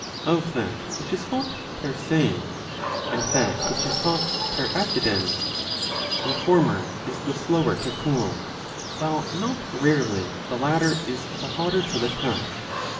Of that which is hot per se and that which is hot per accidens, the former is the slower to cool, while not rarely the latter is the hotter to the touch.